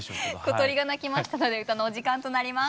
小鳥が鳴きましたので歌のお時間となります。